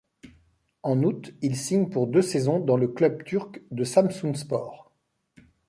En août, il signe pour deux saisons dans le club turc de Samsunspor.